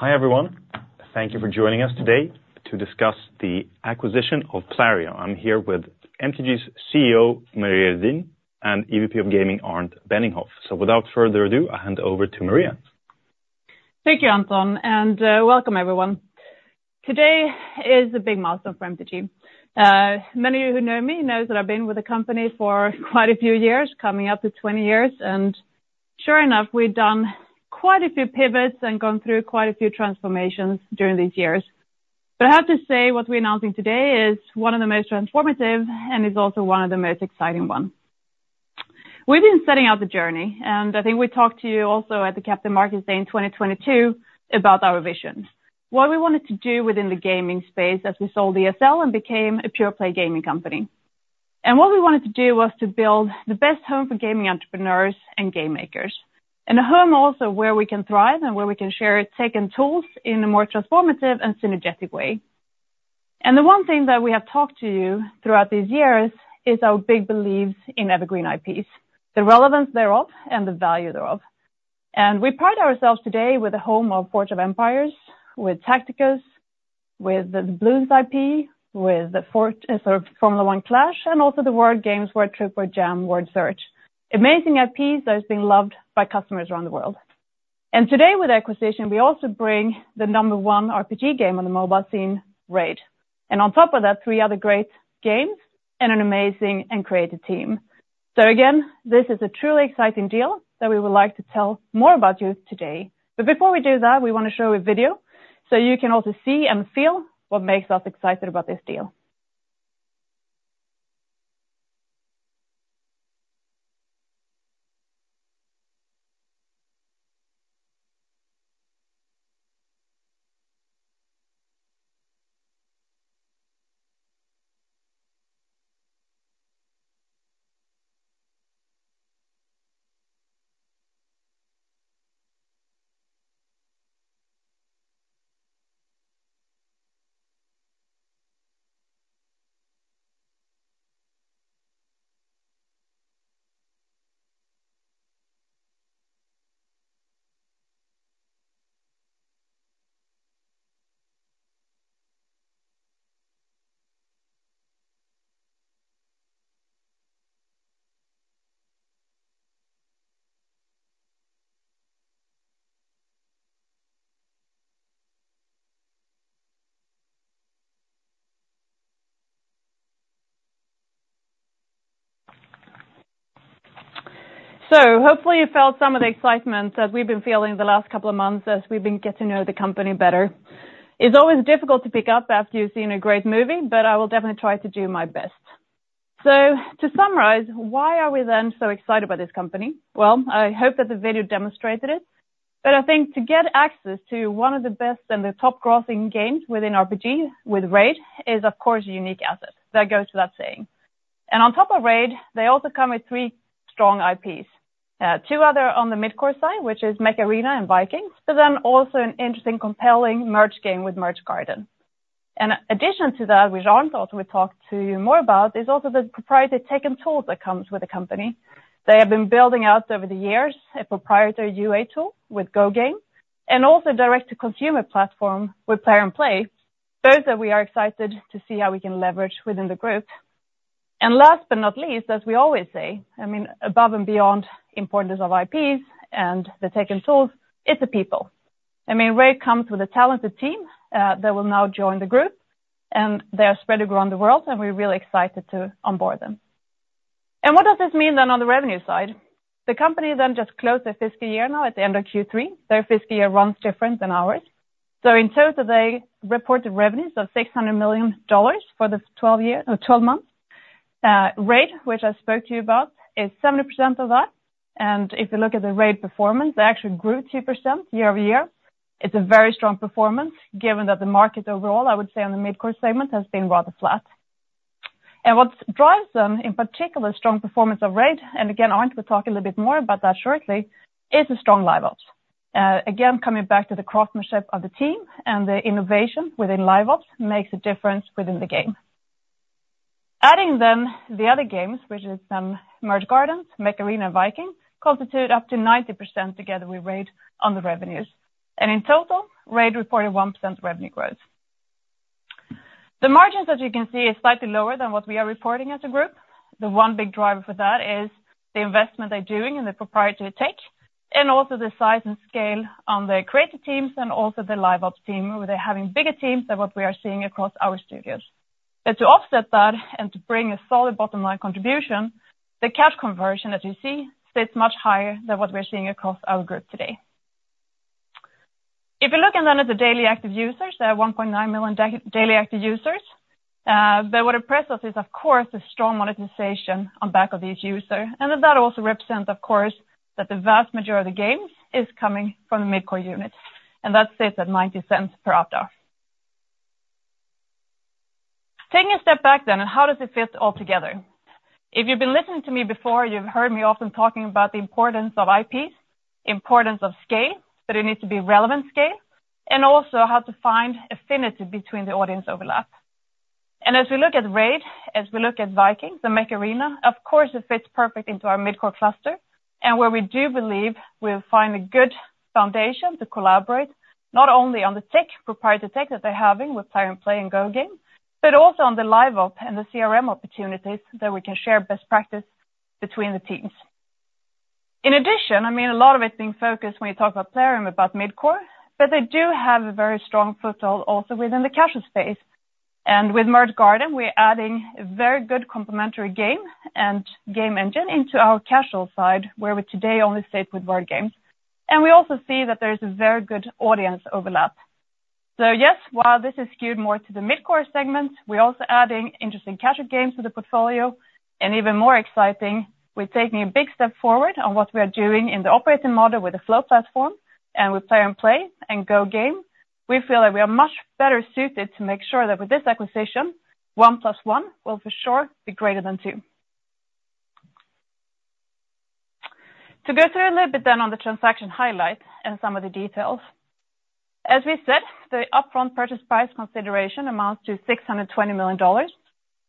Hi everyone, thank you for joining us today to discuss the acquisition of Plarium. I'm here with MTG's CEO, Maria Redin, and EVP of Gaming, Arnd Benninghoff, so without further ado, I hand over to Maria. Thank you, Anton, and welcome everyone. Today is a big milestone for MTG. Many of you who know me know that I've been with the company for quite a few years, coming up to 20 years, and sure enough, we've done quite a few pivots and gone through quite a few transformations during these years. But I have to say what we're announcing today is one of the most transformative and is also one of the most exciting ones. We've been setting out the journey, and I think we talked to you also at the Capital Markets Day in 2022 about our vision, what we wanted to do within the gaming space as we sold ESL and became a pure-play gaming company. What we wanted to do was to build the best home for gaming entrepreneurs and game makers, and a home also where we can thrive and where we can share tech and tools in a more transformative and synergetic way. The one thing that we have talked to you throughout these years is our big beliefs in evergreen IPs, the relevance thereof, and the value thereof. We pride ourselves today with a home of Forge of Empires, with Tacticus, with the Bloons IP, with the Formula 1 Clash, and also the word games, Word Trip, Word Jam, Word Search. Amazing IPs that have been loved by customers around the world. Today, with the acquisition, we also bring the number one RPG game on the mobile scene, Raid. On top of that, three other great games and an amazing and creative team. Again, this is a truly exciting deal that we would like to tell you more about today. Before we do that, we want to show a video so you can also see and feel what makes us excited about this deal. Hopefully you felt some of the excitement that we've been feeling the last couple of months as we've been getting to know the company better. It's always difficult to pick up after you've seen a great movie, but I will definitely try to do my best. To summarize, why are we then so excited about this company? I hope that the video demonstrated it, but I think to get access to one of the best and the top-grossing games within RPG with Raid is, of course, a unique asset. That goes without saying. And on top of Raid, they also come with three strong IPs. Two others on the mid-core side, which is Mech Arena and Vikings, but then also an interesting, compelling Merge game with Merge Gardens. In addition to that, which Arnd also will talk to you more about, is also the proprietary tech and tools that come with the company. They have been building out over the years a proprietary UA tool with GoGame, and also a direct-to-consumer platform with Plarium Play, both that we are excited to see how we can leverage within the group. And last but not least, as we always say, I mean, above and beyond the importance of IPs and the tech and tools, it's the people. I mean, Raid comes with a talented team that will now join the group, and they are spread around the world, and we're really excited to onboard them. What does this mean then on the revenue side? The company then just closed their fiscal year now at the end of Q3. Their fiscal year runs different than ours. So in total, they reported revenues of $600 million for the 12 months. Raid, which I spoke to you about, is 70% of that. If you look at the Raid performance, they actually grew 2% year-over-year. It's a very strong performance given that the market overall, I would say, on the mid-core segment has been rather flat. What drives them, in particular, strong performance of Raid, and again, Arnd will talk a little bit more about that shortly, is the strong LiveOps. Again, coming back to the craftsmanship of the team and the innovation within LiveOps makes a difference within the game. Adding then the other games, which are Merge Gardens, Mech Arena, and Vikings, constituted up to 90% together with Raid on the revenues. In total, Raid reported 1% revenue growth. The margins, as you can see, are slightly lower than what we are reporting as a group. The one big driver for that is the investment they're doing in the proprietary tech, and also the size and scale on the creative teams and also the LiveOps team, where they're having bigger teams than what we are seeing across our studios. But to offset that and to bring a solid bottom-line contribution, the cash conversion, as you see, sits much higher than what we're seeing across our group today. If you're looking then at the daily active users, there are 1.9 million daily active users. But what impresses us is, of course, the strong monetization on the back of these users. And that also represents, of course, that the vast majority of the games is coming from the mid-core units, and that sits at $0.90 per DAU. Taking a step back then, and how does it fit all together? If you've been listening to me before, you've heard me often talking about the importance of IPs, the importance of scale, but it needs to be relevant scale, and also how to find affinity between the audience overlap. As we look at Raid, as we look at Vikings, and Mech Arena, of course, it fits perfectly into our mid-core cluster, and where we do believe we'll find a good foundation to collaborate, not only on the tech, proprietary tech that they're having with Plarium Play and GoGame, but also on the LiveOps and the CRM opportunities that we can share best practice between the teams. In addition, I mean, a lot of it's being focused when you talk about Plarium about mid-core, but they do have a very strong foothold also within the casual space. With Merge Gardens, we're adding a very good complementary game and game engine into our casual side, where we today only stay with word games. We also see that there is a very good audience overlap. So yes, while this is skewed more to the mid-core segment, we're also adding interesting casual games to the portfolio. And even more exciting, we're taking a big step forward on what we are doing in the operating model with the Flow Platform, and with Plarium Play and GoGame, we feel that we are much better suited to make sure that with this acquisition, one plus one will for sure be greater than two. To go through a little bit then on the transaction highlight and some of the details. As we said, the upfront purchase price consideration amounts to $620 million,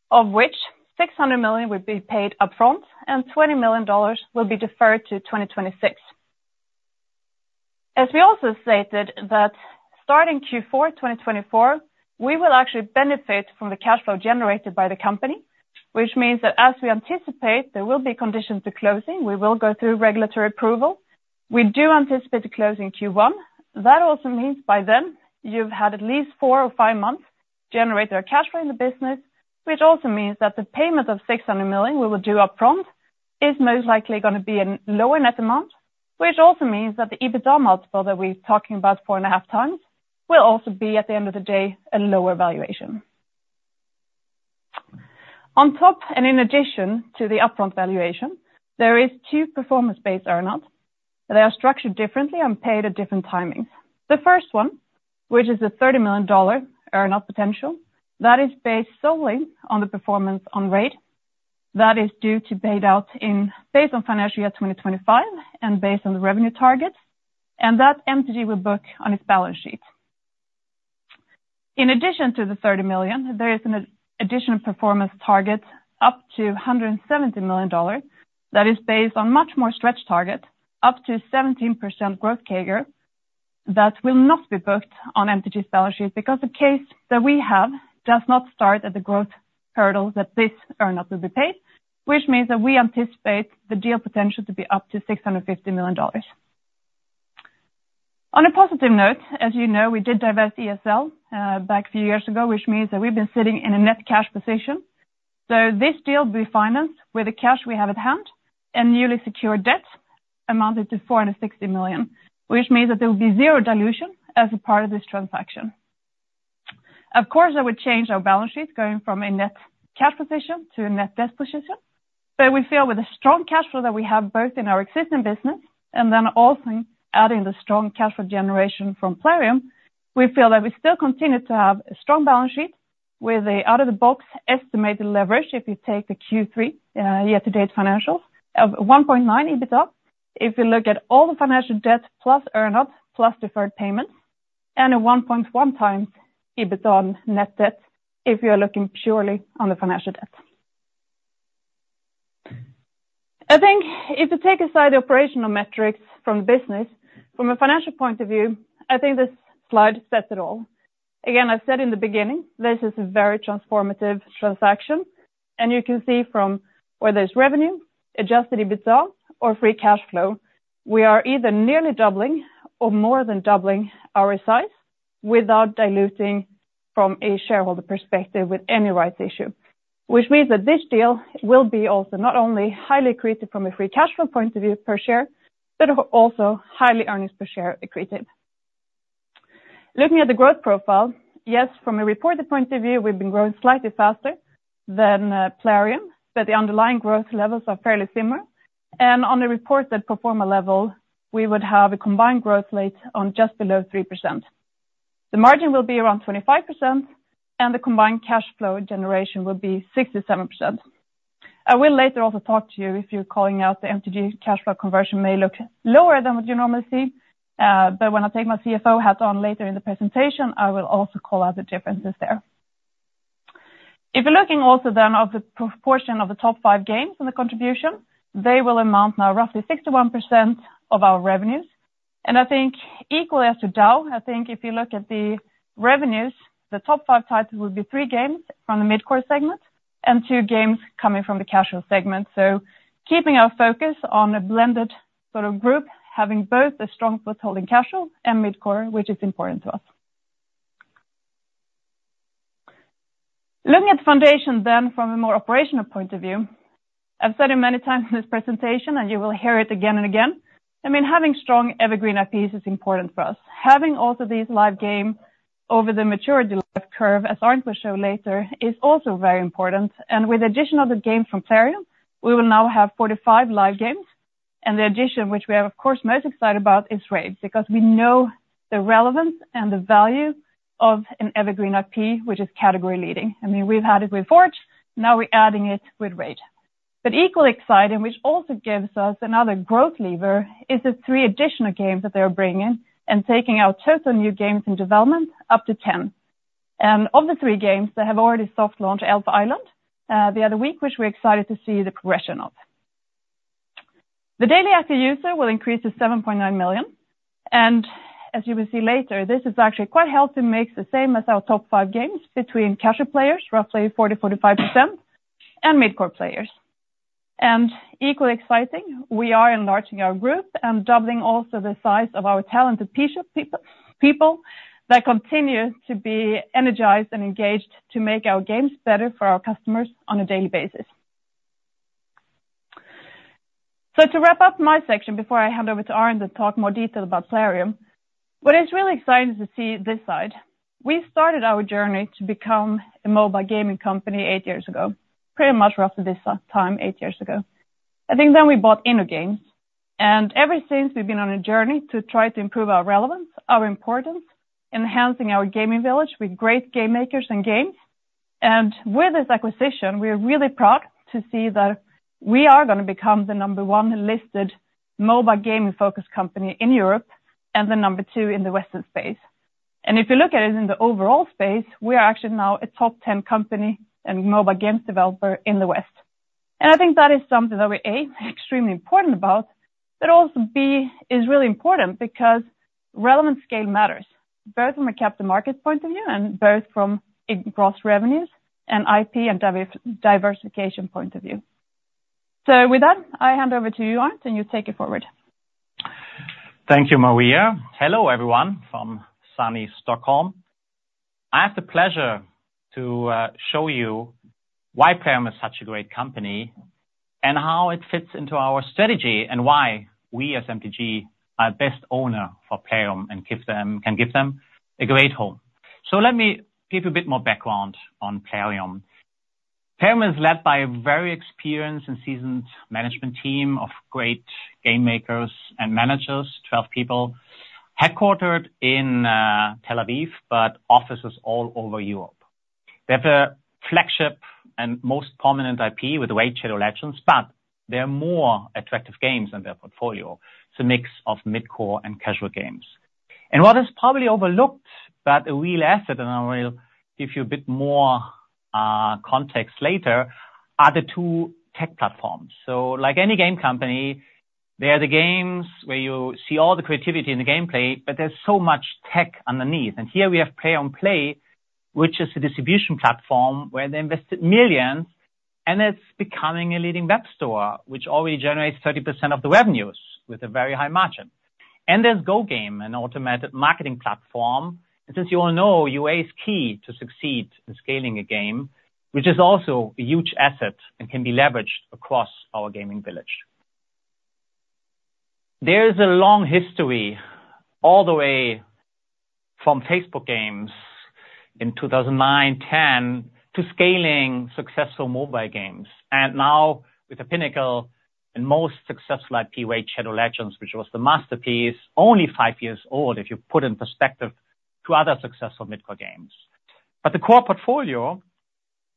of which $600 million will be paid upfront, and $20 million will be deferred to 2026. As we also stated that starting Q4 2024, we will actually benefit from the cash flow generated by the company, which means that as we anticipate there will be conditions to closing, we will go through regulatory approval. We do anticipate closing Q1. That also means by then you've had at least four or five months generating cash flow in the business, which also means that the payment of $600 million we will do upfront is most likely going to be a lower net amount, which also means that the EBITDA multiple that we're talking about four and a half times will also be at the end of the day a lower valuation. On top, and in addition to the upfront valuation, there are two performance-based earnouts that are structured differently and paid at different timings. The first one, which is the $30 million earnout potential, that is based solely on the performance on Raid. That is due to be paid out based on financial year 2025 and based on the revenue targets, and that MTG will book on its balance sheet. In addition to the $30 million, there is an additional performance target up to $170 million that is based on a much more stretched target, up to 17% growth CAGR that will not be booked on MTG's balance sheet because the case that we have does not start at the growth hurdle that this earnout will be paid, which means that we anticipate the deal potential to be up to $650 million. On a positive note, as you know, we did divest ESL back a few years ago, which means that we've been sitting in a net cash position. So this deal will be financed with the cash we have at hand and newly secured debts amounting to $460 million, which means that there will be zero dilution as a part of this transaction. Of course, that would change our balance sheet going from a net cash position to a net debt position. But we feel with the strong cash flow that we have both in our existing business and then also adding the strong cash flow generation from Plarium, we feel that we still continue to have a strong balance sheet with the out-of-the-box estimated leverage, if you take the Q3 year-to-date financials, of 1.9 EBITDA if you look at all the financial debt plus earnouts plus deferred payments, and a 1.1 times EBITDA on net debt if you're looking purely on the financial debt. I think if you take aside the operational metrics from the business, from a financial point of view, I think this slide sets it all. Again, I said in the beginning, this is a very transformative transaction, and you can see from whether it's revenue, adjusted EBITDA, or free cash flow, we are either nearly doubling or more than doubling our size without diluting from a shareholder perspective with any rights issue, which means that this deal will be also not only highly accretive from a free cash flow point of view per share, but also highly earnings per share accretive. Looking at the growth profile, yes, from a reported point of view, we've been growing slightly faster than Plarium, but the underlying growth levels are fairly similar. And on a pro forma level, we would have a combined growth rate of just below 3%. The margin will be around 25%, and the combined cash flow generation will be 67%. I will later also talk to you if you're calling out the MTG cash flow conversion may look lower than what you normally see, but when I take my CFO hat on later in the presentation, I will also call out the differences there. If you're looking also then of the proportion of the top five games in the contribution, they will amount now roughly 61% of our revenues. And I think equally as to DAU, I think if you look at the revenues, the top five titles will be three games from the mid-core segment and two games coming from the casual segment. Keeping our focus on a blended sort of group, having both a strong foothold in casual and mid-core, which is important to us. Looking at the foundation then from a more operational point of view, I've said it many times in this presentation, and you will hear it again and again. I mean, having strong evergreen IPs is important for us. Having also these live games over the maturity lifecycle, as Arnd will show later, is also very important, and with the addition of the games from Plarium, we will now have 45 live games. And the addition, which we are, of course, most excited about, is Raid because we know the relevance and the value of an evergreen IP, which is category leading. I mean, we've had it with Forge. Now we're adding it with Raid, but equally exciting, which also gives us another growth lever, is the three additional games that they're bringing and taking our total new games in development up to 10. Of the three games, they have already soft launched Elf Island the other week, which we're excited to see the progression of. The daily active user will increase to 7.9 million. As you will see later, this is actually quite healthy and makes the same as our top five games between casual players, roughly 40%-45%, and mid-core players. Equally exciting, we are enlarging our group and doubling also the size of our talented people that continue to be energized and engaged to make our games better for our customers on a daily basis. To wrap up my section before I hand over to Arnd to talk more detail about Plarium what is really exciting to see this side, we started our journey to become a mobile gaming company eight years ago, pretty much roughly this time, eight years ago. I think then we bought InnoGames, and ever since we've been on a journey to try to improve our relevance, our importance, enhancing our gaming village with great game makers and games. With this acquisition, we're really proud to see that we are going to become the number one listed mobile gaming-focused company in Europe and the number two in the Western space. If you look at it in the overall space, we are actually now a top 10 company and mobile games developer in the West. I think that is something that we A, extremely important about, but also B, is really important because relevance scale matters, both from a cap-to-market point of view and both from gross revenues and IP and diversification point of view. With that, I hand over to you, Arnd, and you take it forward. Thank you, Maria. Hello, everyone from Sunny Stockholm. I have the pleasure to show you why Plarium is such a great company and how it fits into our strategy and why we as MTG are best owner for Plarium and can give them a great home. So let me give you a bit more background on Plarium. Plarium is led by a very experienced and seasoned management team of great game makers and managers, 12 people, headquartered in Tel Aviv, but offices all over Europe. They have a flagship and most prominent IP with Raid: Shadow Legends, but there are more attractive games in their portfolio. It's a mix of mid-core and casual games. And what is probably overlooked, but a real asset, and I will give you a bit more context later, are the two tech platforms. Like any game company, they are the games where you see all the creativity in the gameplay, but there's so much tech underneath. Here we have Plarium Play, which is a distribution platform where they invested millions, and it's becoming a leading web store, which already generates 30% of the revenues with a very high margin. There's GoGame, an automated marketing platform. Since you all know, UA is key to succeed in scaling a game, which is also a huge asset and can be leveraged across our gaming village. There is a long history all the way from Facebook Games in 2009, 2010, to scaling successful mobile games. Now with a pinnacle and most successful IP, Raid: Shadow Legends, which was the masterpiece, only five years old if you put it in perspective to other successful mid-core games. But the core portfolio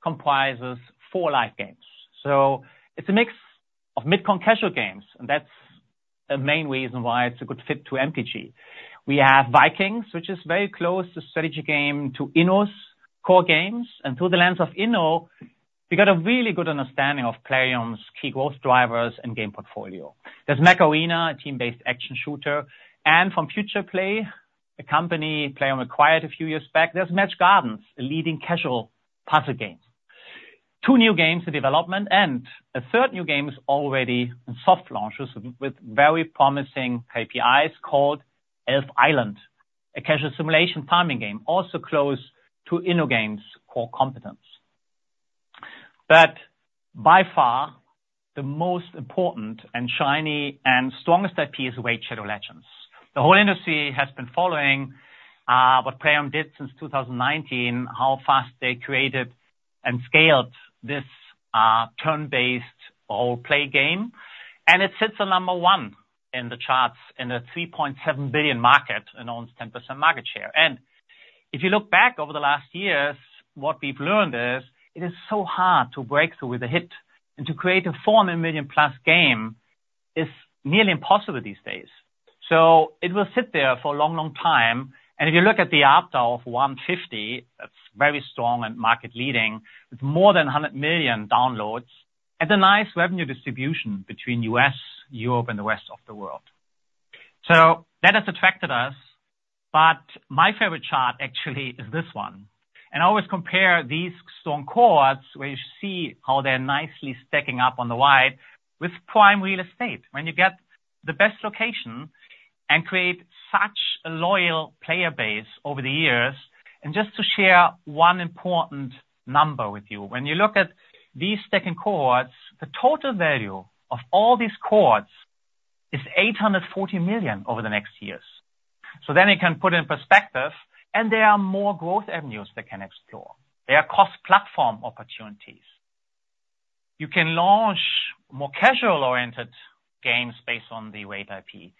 comprises four live games. So it's a mix of mid-core and casual games, and that's the main reason why it's a good fit to MTG. We have Vikings, which is very close to strategy game to Inno's core games. And through the lens of Inno, we got a really good understanding of Plarium's key growth drivers and game portfolio. There's Mech Arena, a team-based action shooter. And from Futureplay, a company Plarium acquired a few years back, there's Merge Gardens, a leading casual puzzle game. Two new games in development and a third new game is already in soft launches with very promising KPIs called Elf Island, a casual simulation farming game also close to InnoGames' core competence. But by far, the most important and shiny and strongest IP is Raid: Shadow Legends. The whole industry has been following what Plarium did since 2019, how fast they created and scaled this turn-based role-play game, and it sits at number one in the charts in a $3.7 billion market and owns 10% market share. If you look back over the last years, what we've learned is it is so hard to break through with a hit and to create a 4 million plus game is nearly impossible these days, so it will sit there for a long, long time. If you look at the ARPU of $150, that's very strong and market-leading with more than 100 million downloads and a nice revenue distribution between the U.S., Europe, and the rest of the world, so that has attracted us, but my favorite chart actually is this one. I always compare these strong cohorts where you see how they're nicely stacking up on the right with prime real estate. When you get the best location and create such a loyal player base over the years. Just to share one important number with you, when you look at these stacking cohorts, the total value of all these cohorts is $840 million over the next years. Then you can put it in perspective, and there are more growth avenues they can explore. There are cross-platform opportunities. You can launch more casual-oriented games based on the Raid IP.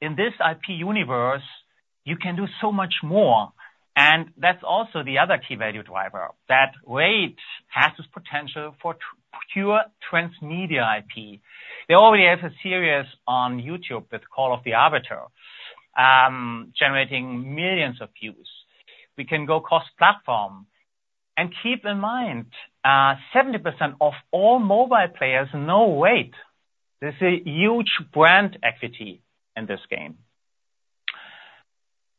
In this IP universe, you can do so much more. That's also the other key value driver that Raid has, this potential for pure transmedia IP. They already have a series on YouTube with Call of the Arbiter, generating millions of views. We can go cross-platform. Keep in mind, 70% of all mobile players know Raid. This is a huge brand equity in this game.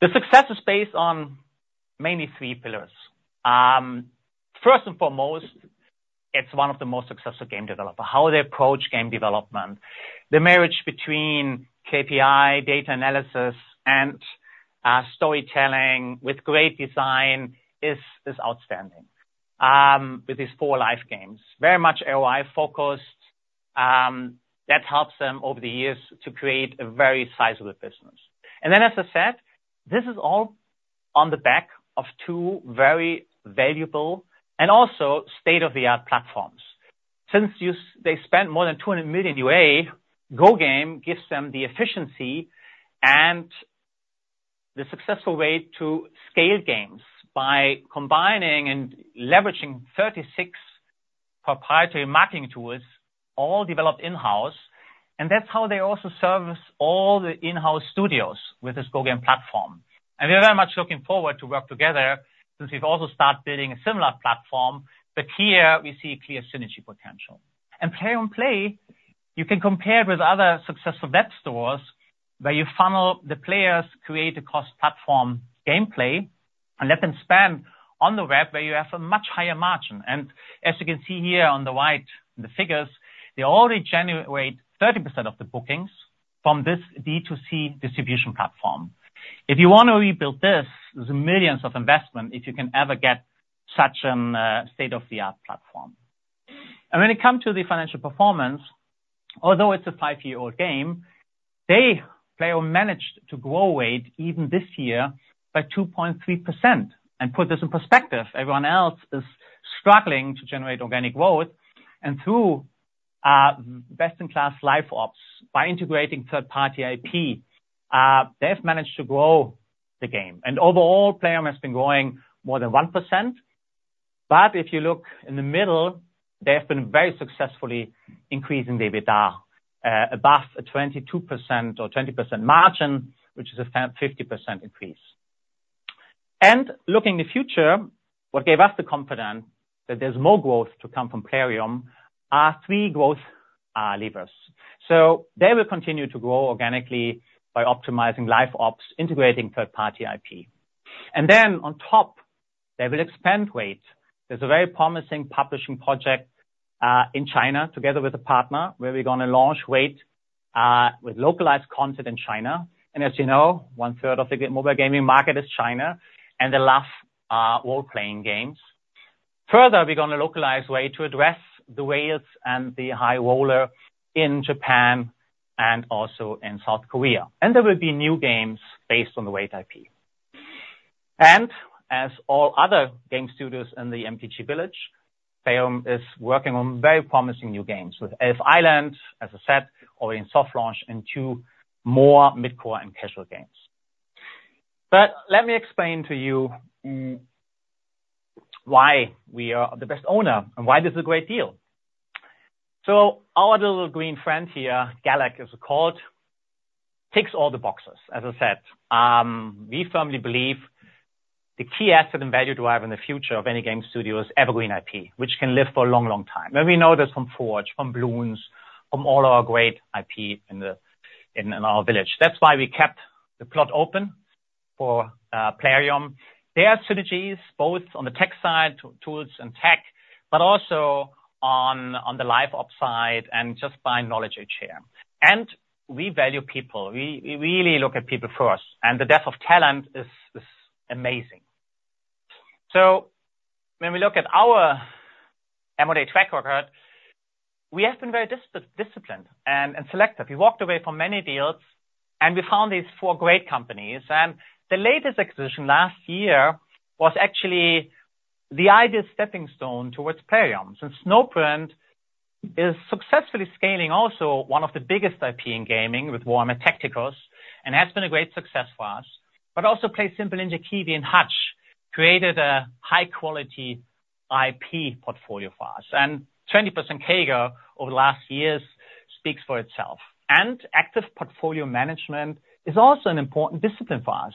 The success is based on mainly three pillars. First and foremost, it's one of the most successful game developers. How they approach game development, the marriage between KPI, data analysis, and storytelling with great design is outstanding with these four live games. Very much ROI-focused. That helps them over the years to create a very sizable business. Then, as I said, this is all on the back of two very valuable and also state-of-the-art platforms. Since they spent more than $200 million UA, GoGame gives them the efficiency and the successful way to scale games by combining and leveraging 36 proprietary marketing tools, all developed in-house. And that's how they also service all the in-house studios with this GoGame platform. We're very much looking forward to work together since we've also started building a similar platform, but here we see clear synergy potential. Plarium Play, you can compare it with other successful web stores where you funnel the players from the platform gameplay and let them spend on the web where you have a much higher margin. As you can see here on the right in the figures, they already generate 30% of the bookings from this D2C distribution platform. If you want to rebuild this, there's millions in investment if you can ever get such a state-of-the-art platform. When it comes to the financial performance, although it's a five-year-old game, they managed to grow revenue even this year by 2.3%. Put this in perspective, everyone else is struggling to generate organic growth. Through best-in-class LiveOps, by integrating third-party IP, they have managed to grow the game. Overall, Plarium has been growing more than 1%. But if you look in the middle, they have been very successfully increasing their EBITDA above a 22% or 20% margin, which is a 50% increase. Looking in the future, what gave us the confidence that there's more growth to come from Plarium are three growth levers. They will continue to grow organically by optimizing LiveOps, integrating third-party IP. Then on top, they will expand Raid. There's a very promising publishing project in China together with a partner where we're going to launch Raid with localized content in China. As you know, one-third of the mobile gaming market is China and the largest role-playing games. Further, we're going to localize Raid to address the whales and the high roller in Japan and also in South Korea. And there will be new games based on the Raid IP. And as all other game studios in the MTG village, Plarium is working on very promising new games with Elf Island, as I said, already in soft launch and two more mid-core and casual games. But let me explain to you why we are the best owner and why this is a great deal. So our little green friend here, Galek, as we called, ticks all the boxes, as I said. We firmly believe the key asset and value driver in the future of any game studio is evergreen IP, which can live for a long, long time. And we know this from Forge, from Bloons, from all our great IP in our village. That's why we kept the slot open for Plarium. There are synergies both on the tech side, tools and tech, but also on the LiveOps side and just buying knowledge each year, and we value people. We really look at people first, and the depth of talent is amazing, so when we look at our M&A track record, we have been very disciplined and selective. We walked away from many deals, and we found these four great companies, and the latest acquisition last year was actually the ideal stepping stone towards Plarium. Since Snowprint is successfully scaling also one of the biggest IP in gaming with Warhammer 40,000: Tacticus and has been a great success for us, but also PlaySimple, InnoGames, and Hutch created a high-quality IP portfolio for us, and 20% CAGR over the last years speaks for itself. Active portfolio management is also an important discipline for us.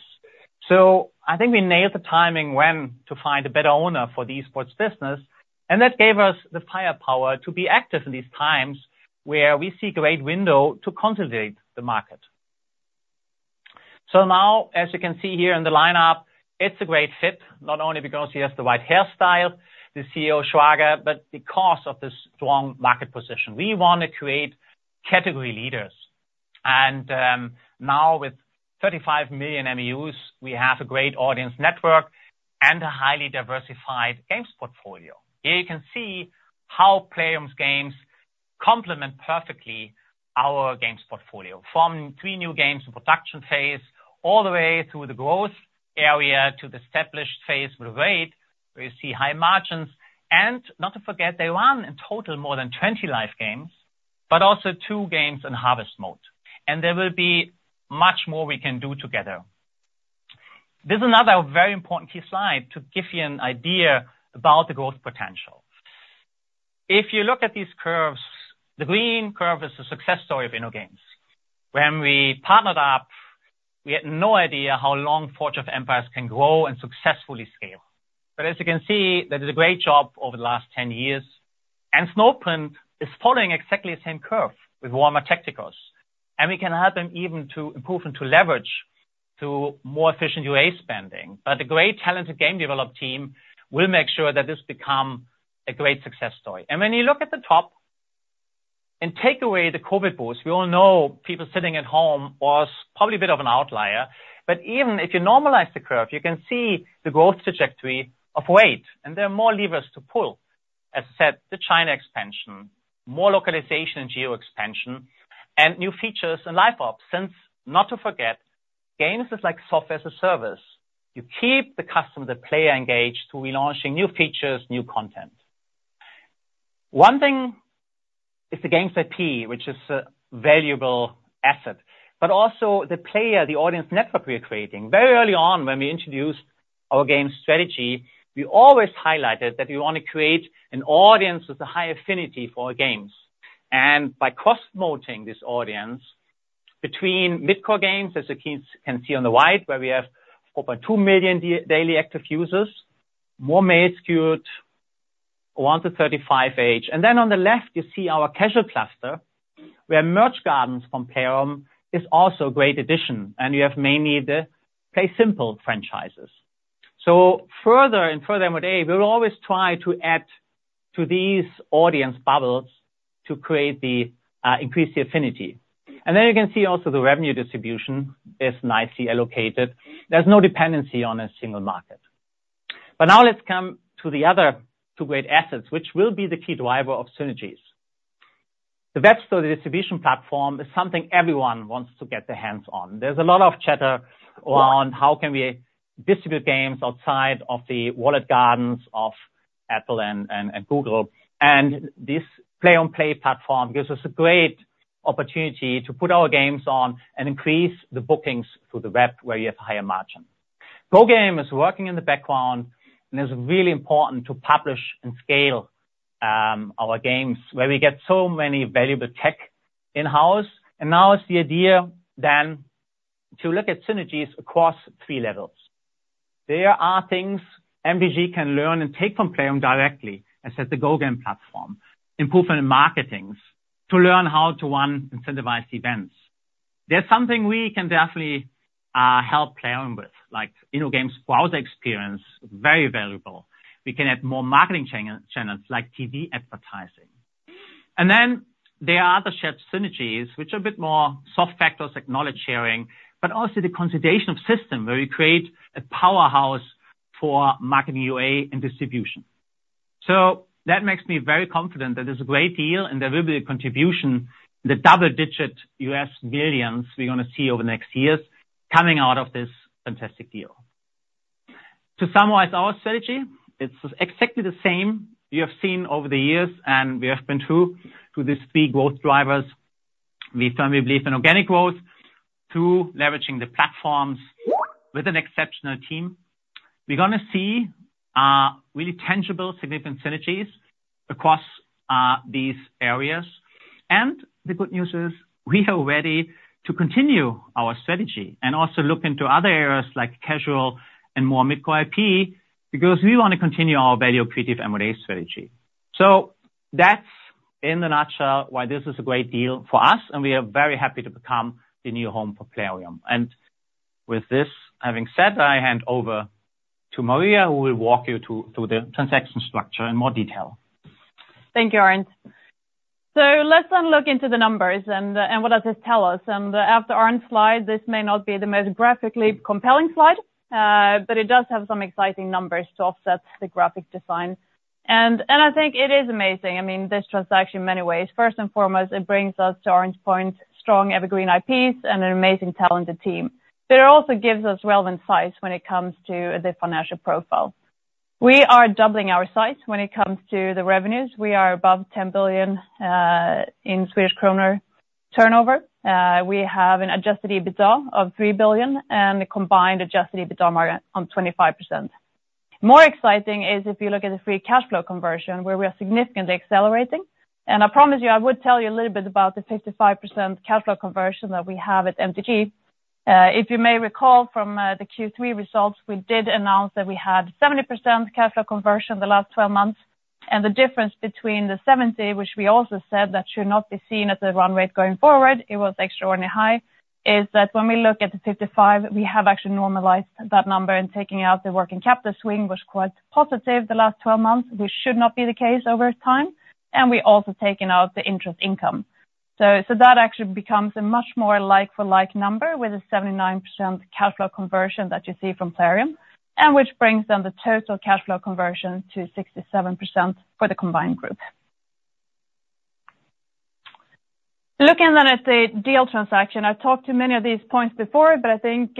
So I think we nailed the timing when to find a better owner for the esports business. And that gave us the firepower to be active in these times where we see a great window to consolidate the market. So now, as you can see here in the lineup, it's a great fit, not only because he has the right hairstyle, the CEO, Shragai Katz, but because of this strong market position. We want to create category leaders. And now with 35 million MAUs, we have a great audience network and a highly diversified games portfolio. Here you can see how Plarium complements perfectly our games portfolio from three new games in production phase all the way through the growth area to the established phase with Raid, where you see high margins. Not to forget, they run in total more than 20 live games, but also two games in harvest mode. There will be much more we can do together. This is another very important key slide to give you an idea about the growth potential. If you look at these curves, the green curve is the success story of InnoGames. When we partnered up, we had no idea how long Forge of Empires can grow and successfully scale. As you can see, that is a great job over the last 10 years. Snowprint is following exactly the same curve with Warhammer Tacticus. We can help them even to improve and to leverage to more efficient UA spending. A great talented game development team will make sure that this becomes a great success story. When you look at the top and take away the COVID boost, we all know people sitting at home was probably a bit of an outlier. Even if you normalize the curve, you can see the growth trajectory of Raid. There are more levers to pull. As I said, the China expansion, more localization and geo-expansion, and new features and LiveOps. And not to forget, games is like software as a service. You keep the customer, the player engaged to relaunching new features, new content. One thing is the games IP, which is a valuable asset, but also the player, the audience network we are creating. Very early on, when we introduced our game strategy, we always highlighted that we want to create an audience with a high affinity for our games. And by cross-monetizing this audience between mid-core games, as you can see on the slide, where we have 4.2 million daily active users, more male skewed, 18 age-35 age. Then on the left, you see our casual cluster, where Merge Gardens from Plarium is also a great addition. And you have mainly the PlaySimple franchises. So further and further and further away, we will always try to add to these audience bubbles to increase the affinity. And then you can see also the revenue distribution is nicely allocated. There's no dependency on a single market. But now let's come to the other two great assets, which will be the key driver of synergies. The web store distribution platform is something everyone wants to get their hands on. There's a lot of chatter around how can we distribute games outside of the walled gardens of Apple and Google. This Plarium Play platform gives us a great opportunity to put our games on and increase the bookings through the web where you have a higher margin. GoGame is working in the background, and it's really important to publish and scale our games where we get so many valuable tech in-house. Now it's the idea then to look at synergies across three levels. There are things MTG can learn and take from Plarium directly, as said the GoGame platform, improvement in marketings to learn how to run incentivized events. There's something we can definitely help Plarium with, like InnoGames' browser experience, very valuable. We can add more marketing channels like TV advertising. And then there are other shared synergies, which are a bit more soft factors like knowledge sharing, but also the consolidation of systems where we create a powerhouse for marketing UA and distribution. So that makes me very confident that it's a great deal and there will be a contribution in the double-digit $ millions we're going to see over the next years coming out of this fantastic deal. To summarize our strategy, it's exactly the same you have seen over the years, and we have been through to these three growth drivers. We firmly believe in organic growth through leveraging the platforms with an exceptional team. We're going to see really tangible, significant synergies across these areas. And the good news is we are ready to continue our strategy and also look into other areas like casual and more mid-core IP because we want to continue our value creative M&A strategy. So that's in a nutshell why this is a great deal for us, and we are very happy to become the new home for Plarium. With this having said, I hand over to Maria, who will walk you through the transaction structure in more detail. Thank you, Arnd. So let's then look into the numbers and what does this tell us. And after Arnd's slide, this may not be the most graphically compelling slide, but it does have some exciting numbers to offset the graphic design. And I think it is amazing. I mean, this transaction in many ways. First and foremost, it brings us to Arnd's point, strong evergreen IPs and an amazing talented team. But it also gives us relevant size when it comes to the financial profile. We are doubling our size when it comes to the revenues. We are above 10 billion in turnover. We have an adjusted EBITDA of 3 billion, and the combined adjusted EBITDA margin on 25%. More exciting is if you look at the free cash flow conversion, where we are significantly accelerating. And I promise you, I would tell you a little bit about the 55% cash flow conversion that we have at MTG. If you may recall from the Q3 results, we did announce that we had 70% cash flow conversion the last 12 months. And the difference between the 70, which we also said that should not be seen as a run rate going forward, it was extraordinarily high, is that when we look at the 55, we have actually normalized that number and taking out the working capital swing was quite positive the last 12 months, which should not be the case over time. And we also taken out the interest income. So that actually becomes a much more like-for-like number with a 79% cash flow conversion that you see from Plarium and, which brings then the total cash flow conversion to 67% for the combined group. Looking then at the deal transaction, I talked to many of these points before, but I think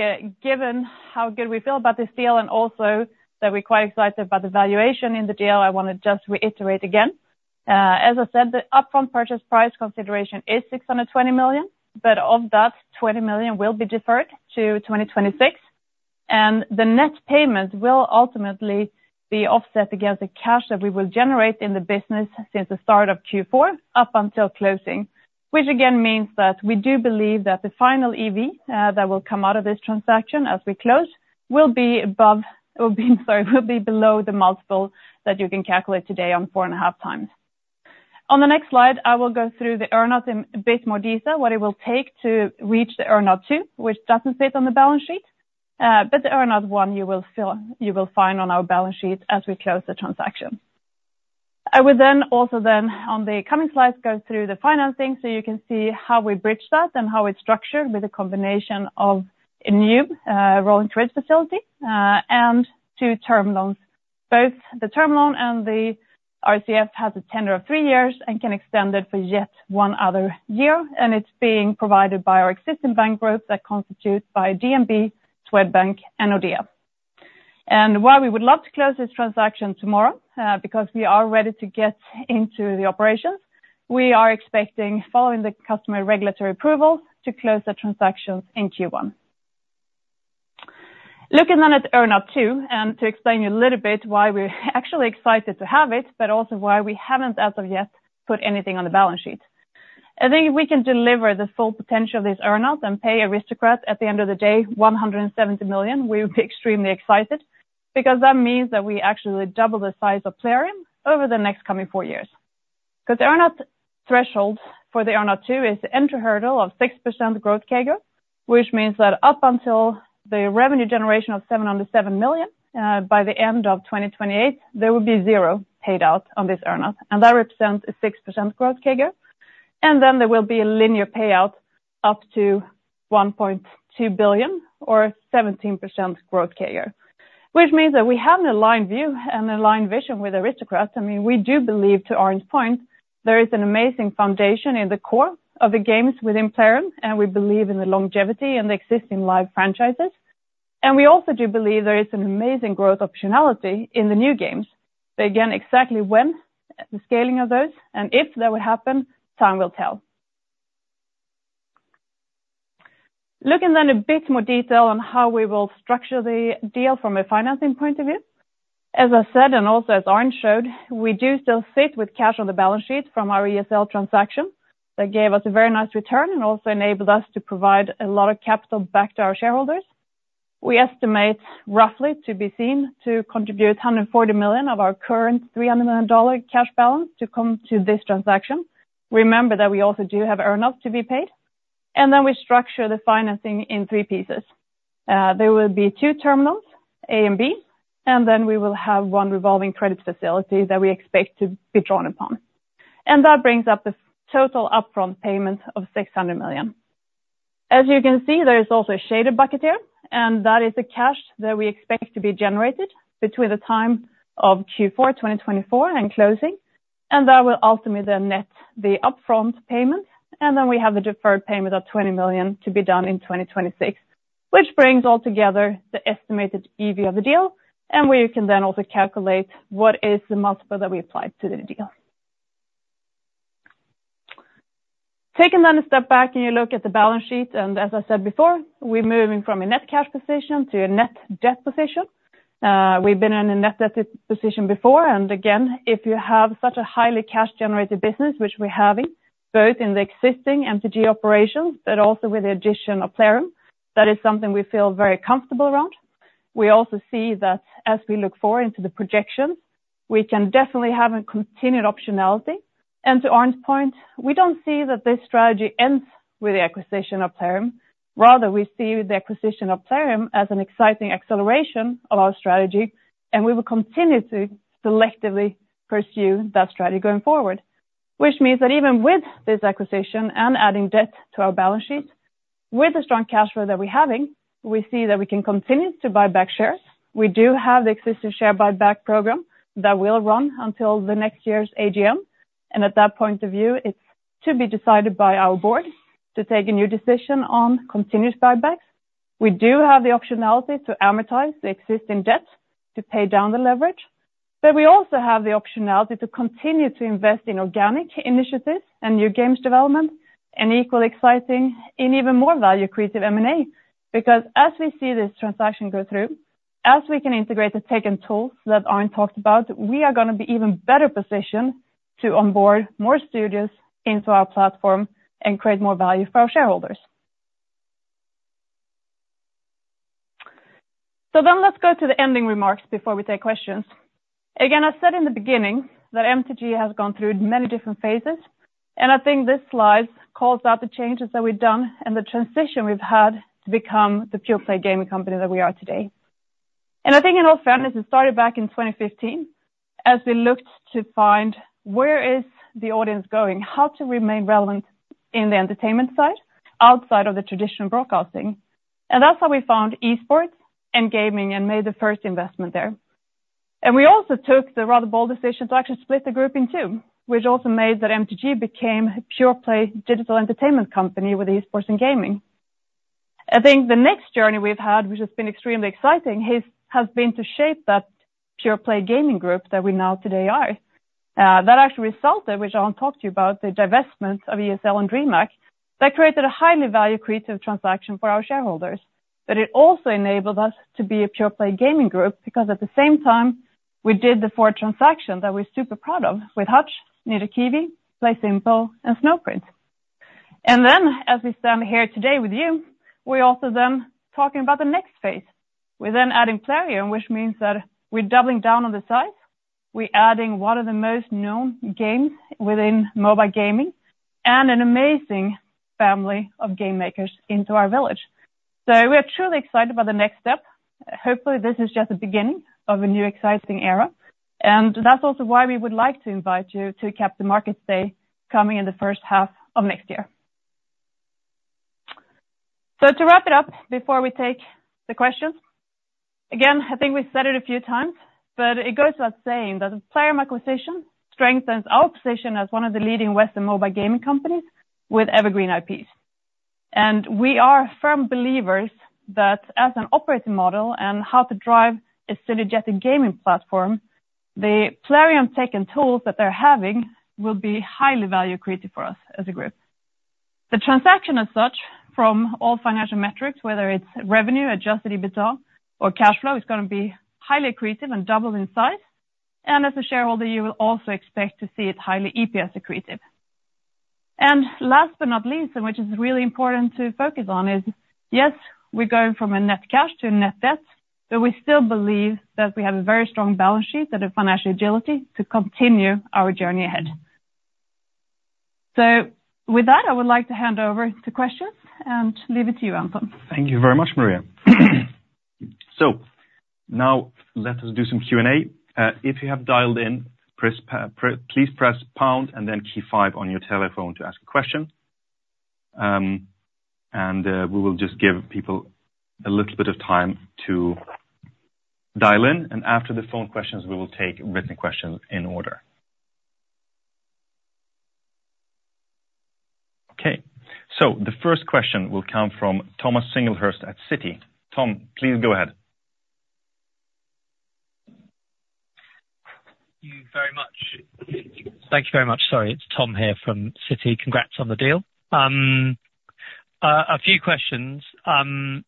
given how good we feel about this deal and also that we're quite excited about the valuation in the deal, I want to just reiterate again. As I said, the upfront purchase price consideration is $620 million, but of that, $20 million will be deferred to 2026, and the net payment will ultimately be offset against the cash that we will generate in the business since the start of Q4 up until closing, which again means that we do believe that the final EV that will come out of this transaction as we close will be above, sorry, will be below the multiple that you can calculate today on four and a half times. On the next slide, I will go through the earn-out in a bit more detail, what it will take to reach the earn-out two, which doesn't fit on the balance sheet, but the earn-out one you will find on our balance sheet as we close the transaction. I would then also on the coming slides go through the financing so you can see how we bridge that and how it's structured with a combination of a new revolving credit facility and two term loans. Both the term loan and the RCF has a tenor of three years and can extend it for yet one other year. And it's being provided by our existing bank group that constitutes by DNB, Swedbank, and Nordea. And while we would love to close this transaction tomorrow because we are ready to get into the operations, we are expecting, following the customary regulatory approvals, to close the transactions in Q1. Looking then at earn-out too and to explain to you a little bit why we're actually excited to have it, but also why we haven't as of yet put anything on the balance sheet. I think if we can deliver the full potential of this earn-out and pay Aristocrat at the end of the day $170 million, we would be extremely excited because that means that we actually double the size of Plarium over the next coming four years. Because the earn-out threshold for the earn-out two is the entry hurdle of 6% growth CAGR, which means that up until the revenue generation of $707 million by the end of 2028, there will be zero paid out on this earn-out, and that represents a 6% growth CAGR, and then there will be a linear payout up to $1.2 billion or 17% growth CAGR, which means that we have an aligned view and an aligned vision with Aristocrat. I mean, we do believe, to Arnd's point, there is an amazing foundation in the core of the games within Plarium and we believe in the longevity and the existing live franchises, and we also do believe there is an amazing growth optionality in the new games, but again, exactly when the scaling of those and if that would happen, time will tell. Looking then a bit more detail on how we will structure the deal from a financing point of view. As I said, and also as Arnd showed, we do still sit with cash on the balance sheet from our ESL transaction that gave us a very nice return and also enabled us to provide a lot of capital back to our shareholders. We estimate roughly to be seen to contribute $140 million of our current $300 million cash balance to come to this transaction. Remember that we also do have earn-outs to be paid. Then we structure the financing in three pieces. There will be two term loans, A and B, and then we will have one revolving credit facility that we expect to be drawn upon. That brings up the total upfront payment of $600 million. As you can see, there is also a shaded bucket here, and that is the cash that we expect to be generated between the time of Q4 2024 and closing. That will ultimately net the upfront payment. Then we have the deferred payment of $20 million to be done in 2026, which brings all together the estimated EV of the deal, and where you can then also calculate what is the multiple that we applied to the deal. Taking then a step back and you look at the balance sheet, and as I said before, we're moving from a net cash position to a net debt position. We've been in a net debt position before. And again, if you have such a highly cash-generated business, which we're having both in the existing MTG operations, but also with the addition of Plarium, that is something we feel very comfortable around. We also see that as we look forward into the projections, we can definitely have a continued optionality. And to Arnd's point, we don't see that this strategy ends with the acquisition of Plarium. Rather, we see the acquisition of Plarium as an exciting acceleration of our strategy, and we will continue to selectively pursue that strategy going forward, which means that even with this acquisition and adding debt to our balance sheet, with the strong cash flow that we're having, we see that we can continue to buy back shares. We do have the existing share buyback program that will run until the next year's AGM, and at that point of view, it's to be decided by our board to take a new decision on continuous buybacks. We do have the optionality to amortize the existing debt to pay down the leverage, but we also have the optionality to continue to invest in organic initiatives and new games development and equally exciting and even more value creative M&A because as we see this transaction go through, as we can integrate the tech and tools that Arnd talked about, we are going to be even better positioned to onboard more studios into our platform and create more value for our shareholders. So then let's go to the ending remarks before we take questions. Again, I said in the beginning that MTG has gone through many different phases, and I think this slide calls out the changes that we've done and the transition we've had to become the pure play gaming company that we are today. I think in all fairness, it started back in 2015 as we looked to find where is the audience going, how to remain relevant in the entertainment side outside of the traditional broadcasting. That's how we found esports and gaming and made the first investment there. We also took the rather bold decision to actually split the group in two, which also made that MTG became a pure play digital entertainment company with esports and gaming. I think the next journey we've had, which has been extremely exciting, has been to shape that pure play gaming group that we now today are. That actually resulted, which Arnd talked to you about, the divestment of ESL and DreamHack that created a highly value-creative transaction for our shareholders. But it also enabled us to be a pure play gaming group because at the same time, we did the four transactions that we're super proud of with Hutch, Ninja Kiwi, PlaySimple, and Snowprint. And then as we stand here today with you, we're also then talking about the next phase. We're then adding Plarium, which means that we're doubling down on the size. We're adding one of the most known games within mobile gaming and an amazing family of game makers into our village. So we are truly excited about the next step. Hopefully, this is just the beginning of a new exciting era. And that's also why we would like to invite you to Capital Markets Day coming in the first half of next year. So to wrap it up before we take the questions, again, I think we've said it a few times, but it goes without saying that the Plarium acquisition strengthens our position as one of the leading Western mobile gaming companies with evergreen IPs. And we are firm believers that as an operating model and how to drive a synergetic gaming platform, the Plarium tech and tools that they're having will be highly value creative for us as a group. The transaction as such from all financial metrics, whether it's revenue, adjusted EBITDA, or cash flow, is going to be highly accretive and doubled in size. And as a shareholder, you will also expect to see it highly EPS accretive. Last but not least, and which is really important to focus on, is yes, we're going from a net cash to a net debt, but we still believe that we have a very strong balance sheet and a financial agility to continue our journey ahead. With that, I would like to hand over to questions and leave it to you, Arnd. Thank you very much, Maria. Now let us do some Q&A. If you have dialed in, please press pound and then key five on your telephone to ask a question. We will just give people a little bit of time to dial in. After the phone questions, we will take written questions in order. Okay. The first question will come from Thomas Singlehurst at Citi. Tom, please go ahead. Thank you very much. Thank you very much. Sorry, it's Tom here from Citi. Congrats on the deal. A few questions. The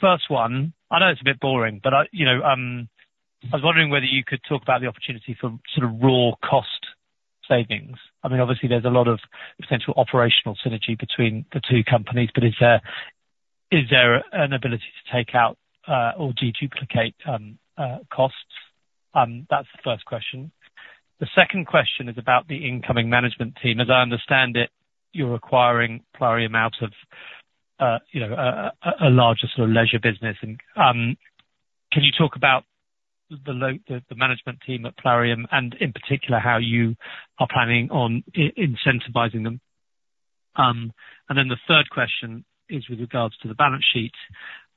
first one, I know it's a bit boring, but I was wondering whether you could talk about the opportunity for sort of raw cost savings. I mean, obviously, there's a lot of potential operational synergy between the two companies, but is there an ability to take out or deduplicate costs? That's the first question. The second question is about the incoming management team. As I understand it, you're acquiring Plarium out of a larger sort of leisure business. Can you talk about the management team at Plarium and in particular how you are planning on incentivizing them? And then the third question is with regards to the balance sheet.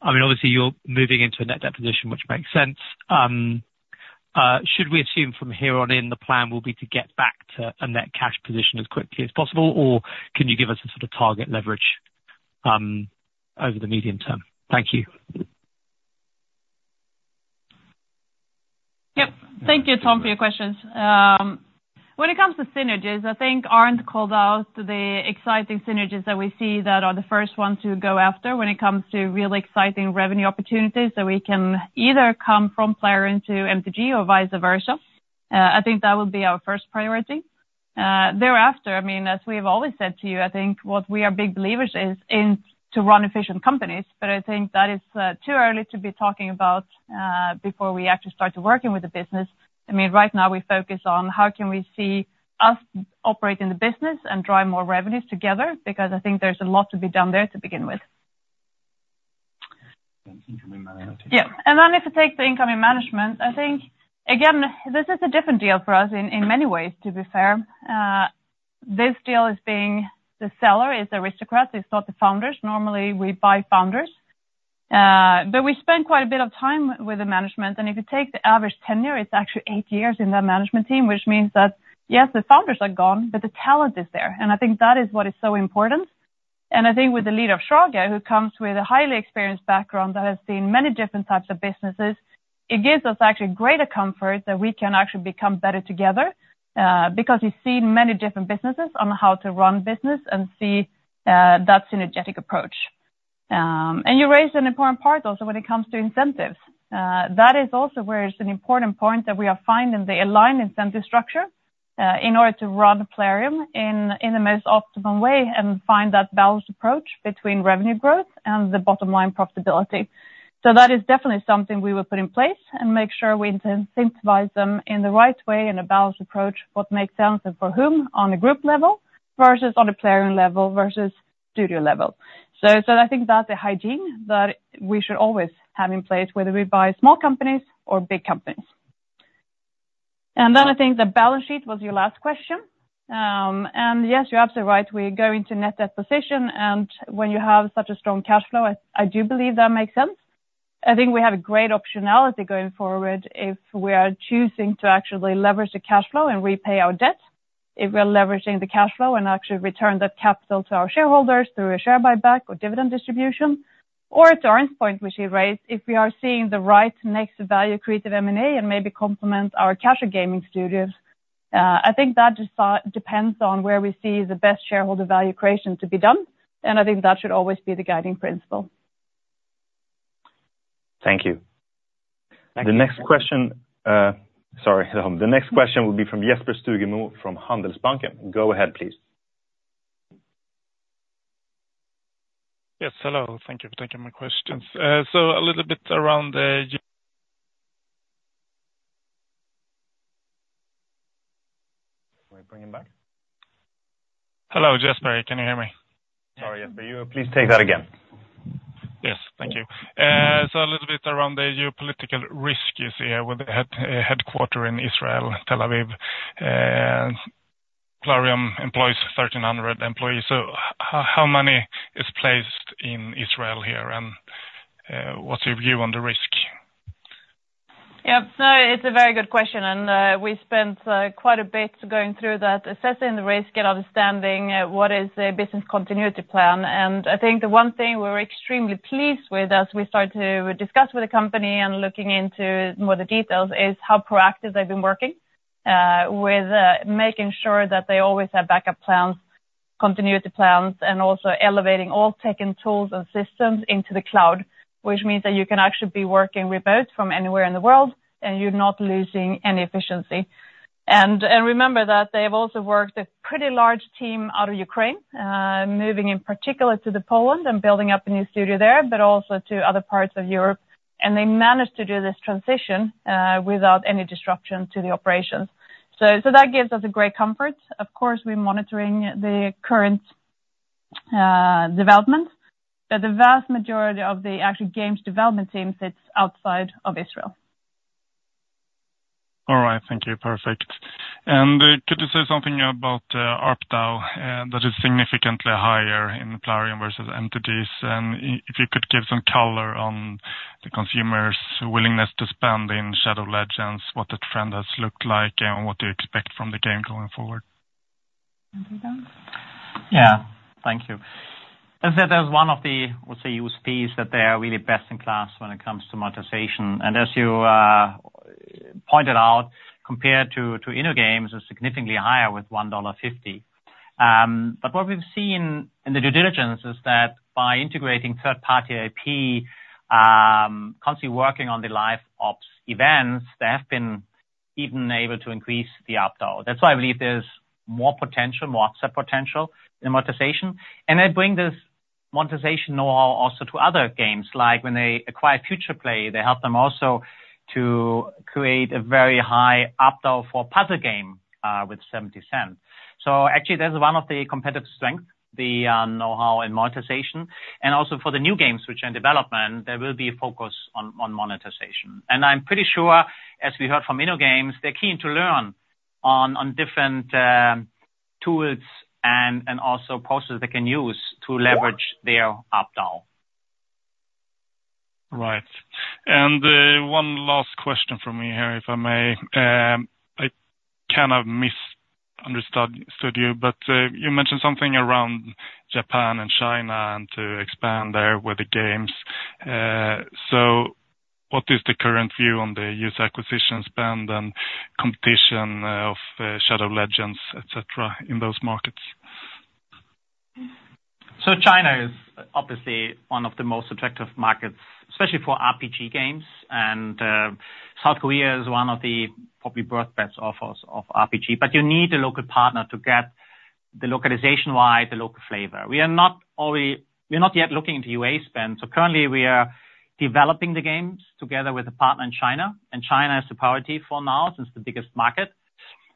I mean, obviously, you're moving into a net debt position, which makes sense. Should we assume from here on in the plan will be to get back to a net cash position as quickly as possible, or can you give us a sort of target leverage over the medium term? Thank you. Yep. Thank you, Tom, for your questions. When it comes to synergies, I think Arnd called out the exciting synergies that we see that are the first ones to go after when it comes to real exciting revenue opportunities that we can either come from Plarium to MTG or vice versa. I think that will be our first priority. Thereafter, I mean, as we have always said to you, I think what we are big believers in is to run efficient companies, but I think that is too early to be talking about before we actually start to working with the business. I mean, right now, we focus on how can we see us operating the business and drive more revenues together because I think there's a lot to be done there to begin with. Yeah. And then if it takes the incoming management, I think, again, this is a different deal for us in many ways, to be fair. This deal is being the seller is Aristocrat. It's not the founders. Normally, we buy founders, but we spend quite a bit of time with the management. And if you take the average tenure, it's actually eight years in that management team, which means that, yes, the founders are gone, but the talent is there. And I think that is what is so important. And I think with the lead of Shragai, who comes with a highly experienced background that has seen many different types of businesses, it gives us actually greater comfort that we can actually become better together because he's seen many different businesses on how to run business and see that synergetic approach. And you raised an important part also when it comes to incentives. That is also where it's an important point that we are finding the aligned incentive structure in order to run Plarium in the most optimal way and find that balanced approach between revenue growth and the bottom line profitability. So that is definitely something we will put in place and make sure we incentivize them in the right way and a balanced approach, what makes sense and for whom on a group level versus on a Plarium level versus studio level. So I think that's a hygiene that we should always have in place whether we buy small companies or big companies. And then I think the balance sheet was your last question. And yes, you're absolutely right. We go into net debt position. And when you have such a strong cash flow, I do believe that makes sense. I think we have a great optionality going forward if we are choosing to actually leverage the cash flow and repay our debt, if we're leveraging the cash flow and actually return that capital to our shareholders through a share buyback or dividend distribution, or to Arnd's point, which he raised, if we are seeing the right next value-creating M&A and maybe complement our cash gaming studios. I think that just depends on where we see the best shareholder value creation to be done. And I think that should always be the guiding principle. Thank you. The next question will be from Jesper Stugemo from Handelsbanken. Go ahead, please. Yes. Hello. Thank you for taking my questions. So a little bit around the geopolitical risk you see here with the headquarters in Israel, Tel Aviv. Plarium employs 1,300 employees. So how many is placed in Israel here? And what's your view on the risk? Yep. So it's a very good question. And we spent quite a bit going through that, assessing the risk and understanding what is the business continuity plan. I think the one thing we're extremely pleased with as we start to discuss with the company and looking into more of the details is how proactive they've been working with making sure that they always have backup plans, continuity plans, and also elevating all tech and tools and systems into the cloud, which means that you can actually be working remote from anywhere in the world and you're not losing any efficiency. Remember that they've also worked a pretty large team out of Ukraine, moving in particular to Poland and building up a new studio there, but also to other parts of Europe. They managed to do this transition without any disruption to the operations. That gives us a great comfort. Of course, we're monitoring the current development, but the vast majority of the actual games development team sits outside of Israel. All right. Thank you. Perfect. And could you say something about ARPDAU that is significantly higher in Plarium versus MTG's? And if you could give some color on the consumers' willingness to spend in Shadow Legends, what the trend has looked like, and what do you expect from the game going forward? Yeah. Thank you. As I said, there's one of the, I would say, USPs that they are really best in class when it comes to monetization. And as you pointed out, compared to InnoGames, it's significantly higher with $1.50. But what we've seen in the due diligence is that by integrating third-party IP, constantly working on the LiveOps events, they have been even able to increase the ARPDAU. That's why I believe there's more potential, more upside potential in monetization. And they bring this monetization know-how also to other games. Like when they acquired Futureplay, they helped them also to create a very high ARPDAU for puzzle game with $0.70. So actually, that's one of the competitive strengths, the know-how in monetization. And also for the new games which are in development, there will be a focus on monetization. And I'm pretty sure, as we heard from InnoGames, they're keen to learn on different tools and also those that they can use to leverage their ARPDAU. Right. And one last question for me here, if I may. I kind of misunderstood you, but you mentioned something around Japan and China and to expand there with the games. So what is the current view on the user acquisition spend and competition of Shadow Legends, etc., in those markets? So China is obviously one of the most attractive markets, especially for RPG games. South Korea is one of the probable birthplaces of RPG. You need a local partner to get the localization right, the local flavor. We are not yet looking into UA spend. Currently, we are developing the games together with a partner in China. China is the priority for now since the biggest market.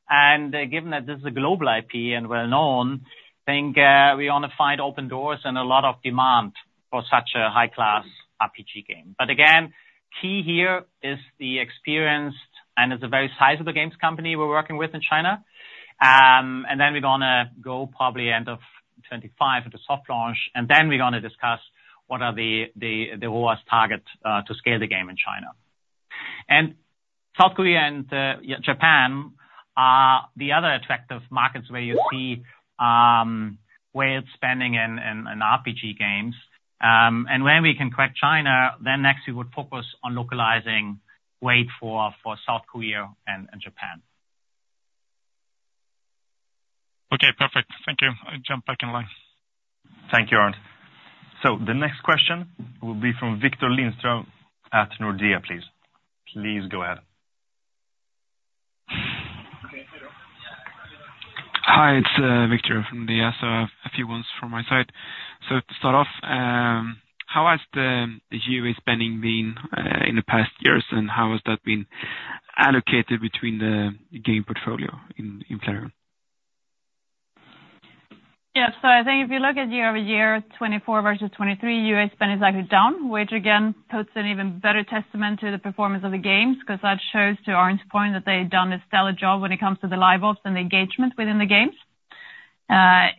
Given that this is a global IP and well-known, I think we want to find open doors and a lot of demand for such a high-class RPG game. Again, key here is the expertise and it's a very sizable games company we're working with in China. Then we're going to go probably end of 2025 into soft launch. Then we're going to discuss what are the ROAS target to scale the game in China. South Korea and Japan are the other attractive markets where you see wild spending in RPG games. When we can crack China, then next we would focus on localizing Raid for South Korea and Japan. Okay. Perfect. Thank you. I'll jump back in line. Thank you, Arnd. The next question will be from Viktor Lindström at Nordea, please. Please go ahead. Hi. It's Viktor from Nordea. A few ones from my side. To start off, how has the UA spending been in the past years, and how has that been allocated between the game portfolio in Plarium? Yeah. I think if you look at year-over-year, 2024 versus 2023, UA spend is actually down, which again puts an even better testament to the performance of the games because that shows to Arnd's point that they've done a stellar job when it comes to the LiveOps and the engagement within the games.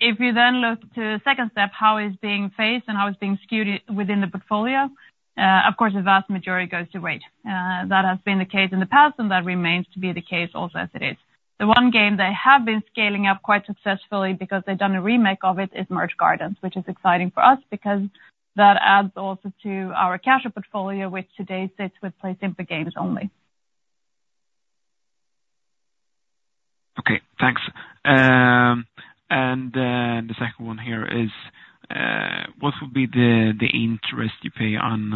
If you then look to second step, how it's being phased and how it's being skewed within the portfolio, of course, the vast majority goes to Raid. That has been the case in the past, and that remains to be the case also as it is. The one game they have been scaling up quite successfully because they've done a remake of it is Merge Gardens, which is exciting for us because that adds also to our casual portfolio, which today sits with PlaySimple Games only. Okay. Thanks. And then the second one here is, what will be the interest you pay on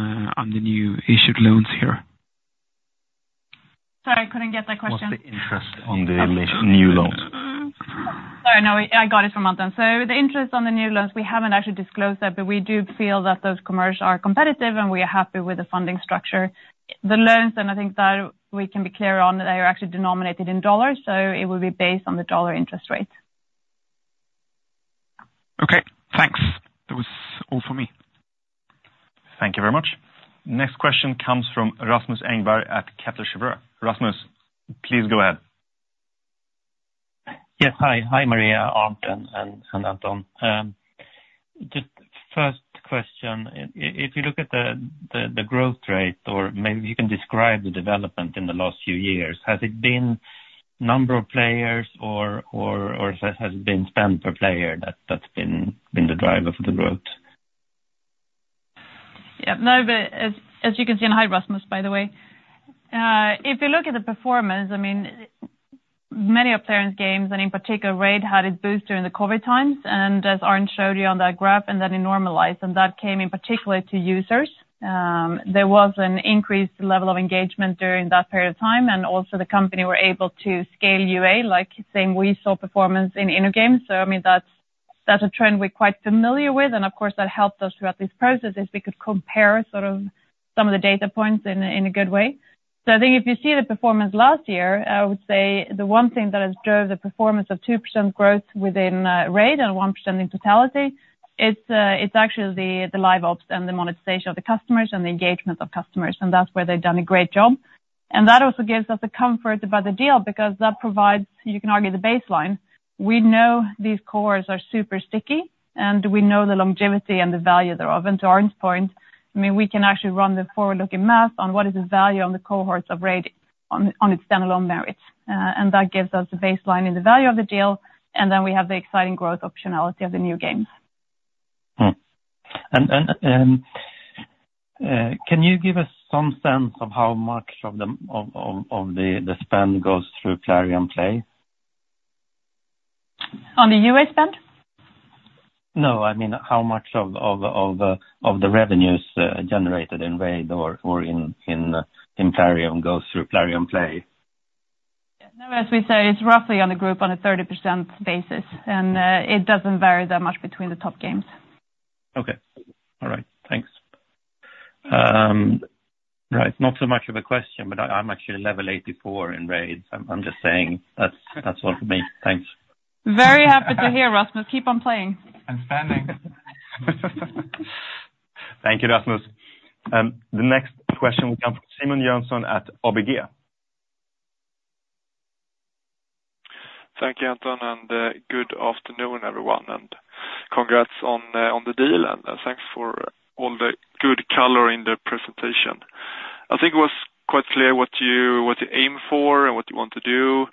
the new issued loans here? Sorry, I couldn't get that question. What's the interest on the new loans? Sorry, no, I got it from Arnd then. So the interest on the new loans, we haven't actually disclosed that, but we do feel that those commercials are competitive and we are happy with the funding structure. The loans, and I think that we can be clear on, they are actually denominated in dollars, so it will be based on the dollar interest rate. Okay. Thanks. That was all for me. Thank you very much. Next question comes from Rasmus Engberg at Kepler Cheuvreux. Rasmus, please go ahead. Yes. Hi. Hi, Maria, Arnd, and Anton. Just first question. If you look at the growth rate or maybe if you can describe the development in the last few years, has it been number of players or has it been spend per player that's been the driver for the growth? Yep. No, but as you can see and hi, Rasmus, by the way. If you look at the performance, I mean, many of Plarium's games and in particular Raid had a boost during the COVID times. And as Arnd showed you on that graph, and then it normalized. And that came in particular to users. There was an increased level of engagement during that period of time. And also the company were able to scale UA, like saying we saw performance in InnoGames. So I mean, that's a trend we're quite familiar with. And of course, that helped us throughout this process as we could compare sort of some of the data points in a good way. So I think if you see the performance last year, I would say the one thing that has drove the performance of 2% growth within Raid and 1% in totality is actually the LiveOps and the monetization of the customers and the engagement of customers. And that's where they've done a great job. And that also gives us the comfort about the deal because that provides, you can argue the baseline. We know these cores are super sticky, and we know the longevity and the value thereof. And to Arnd's point, I mean, we can actually run the forward-looking math on what is the value on the cohorts of Raid on its standalone merits. That gives us the baseline in the value of the deal. And then we have the exciting growth optionality of the new games. And can you give us some sense of how much of the spend goes through Plarium Play? On the UA spend? No, I mean, how much of the revenues generated in Raid or in Plarium goes through Plarium Play? Yeah. No, as we said, it's roughly on a group on a 30% basis. And it doesn't vary that much between the top games. Okay. All right. Thanks. Right. Not so much of a question, but I'm actually level 84 in Raid. I'm just saying that's all for me. Thanks. Very happy to hear, Rasmus. Keep on playing. And spending. Thank you, Rasmus. The next question will come from Simon Jönsson at ABG Sundal Collier. Thank you, Anton. And good afternoon, everyone. Congrats on the deal. Thanks for all the good color in the presentation. I think it was quite clear what you aim for and what you want to do.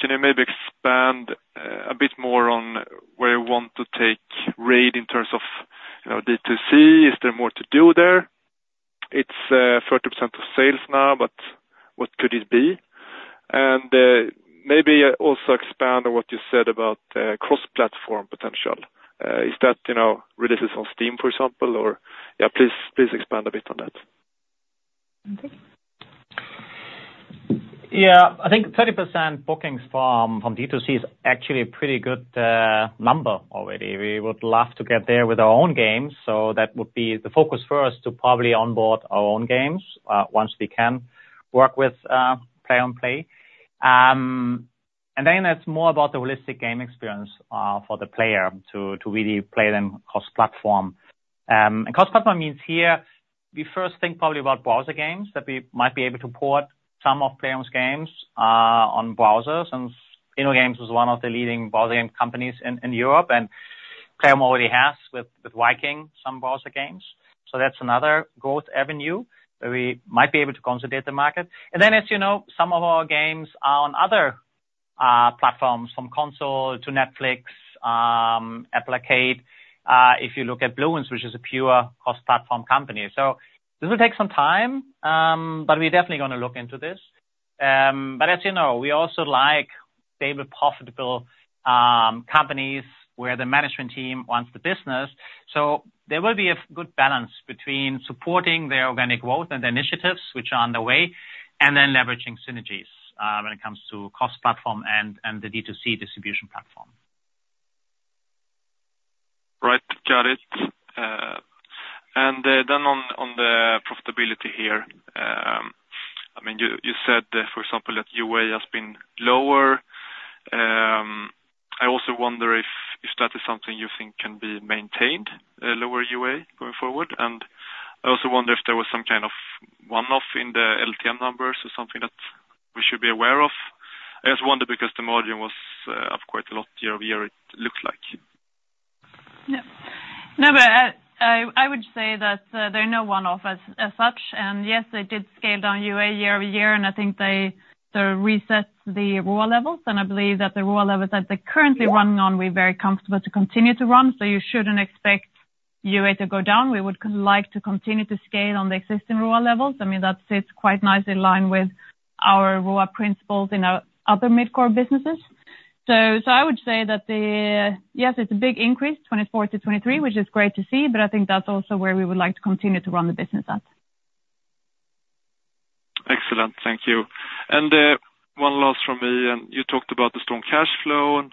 Can you maybe expand a bit more on where you want to take Raid in terms of D2C? Is there more to do there? It's 30% of sales now, but what could it be? Maybe also expand on what you said about cross-platform potential. Is that releases on Steam, for example? Or yeah, please expand a bit on that. Yeah. I think 30% bookings from D2C is actually a pretty good number already. We would love to get there with our own games. That would be the focus first to probably onboard our own games once we can work with Plarium Play. And then it's more about the holistic game experience for the player to really play them cross-platform. And cross-platform means here we first think probably about browser games that we might be able to port some of Plarium on browsers since InnoGames was one of the leading browser game companies in Europe. And Plarium already has with Vikings some browser games. So that's another growth avenue that we might be able to consolidate the market. And then as you know, some of our games are on other platforms from console to Netflix, Apple Arcade. If you look at Bloons, which is a pure cross-platform company. So this will take some time, but we're definitely going to look into this. But as you know, we also like stable profitable companies where the management team runs the business. So there will be a good balance between supporting their organic growth and the initiatives which are underway and then leveraging synergies when it comes to cross-platform and the D2C distribution platform. Right. Got it. And then on the profitability here, I mean, you said, for example, that UA has been lower. I also wonder if that is something you think can be maintained, lower UA going forward. And I also wonder if there was some kind of one-off in the LTM numbers or something that we should be aware of. I just wonder because the margin was up quite a lot year-over-year, it looks like. Yeah. No, but I would say that there are no one-offs as such. And yes, they did scale down UA year-over-year, and I think they sort of reset the ROAS levels. I believe that the ROAS levels that they're currently running on, we're very comfortable to continue to run. So you shouldn't expect UA to go down. We would like to continue to scale on the existing ROAS levels. I mean, that sits quite nicely in line with our ROAS principles in other mid-core businesses. So I would say that yes, it's a big increase 2024 to 2023, which is great to see, but I think that's also where we would like to continue to run the business at. Excellent. Thank you. And one last from me. You talked about the strong cash flow and